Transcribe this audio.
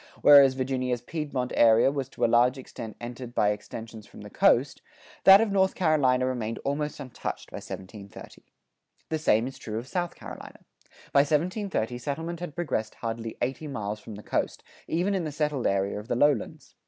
[96:1] Whereas Virginia's Piedmont area was to a large extent entered by extensions from the coast, that of North Carolina remained almost untouched by 1730.[96:2] The same is true of South Carolina. By 1730, settlement had progressed hardly eighty miles from the coast, even in the settled area of the lowlands.